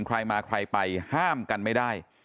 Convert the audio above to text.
ใครมาใครไปห้ามกันไม่ได้